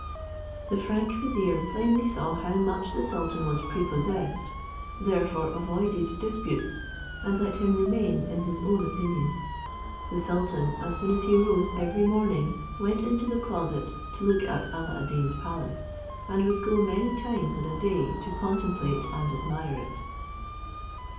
The frank vizier plainly saw how much the sultan was prepossessed, therefore avoided disputes and let him remain in his own opinion. The sultan as soon as he rose every morning went into the closet, to look at Alla ad Deen's palace, and would go many times in a day to contemplate and admire it.